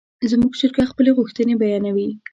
زموږ چرګه خپلې غوښتنې بیانوي.